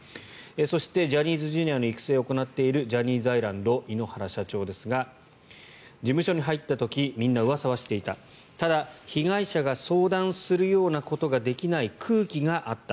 そしてジャニーズＪｒ．の育成を行っているジャニーズアイランド井ノ原社長ですが事務所に入った時みんな、うわさはしていたただ被害者が相談することができない空気はあった